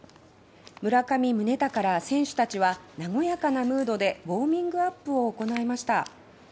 村上宗隆ら選手たちは和やかなムードでウォーミングアップを行いました。